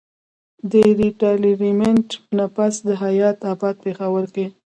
د ريټائرمنټ نه پس پۀ حيات اباد پېښور کښې